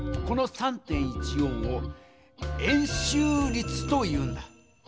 この３．１４を「円周率」というんだ。